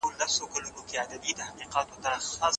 ماښام لمبېدل د آرام خوب زمینه برابروي.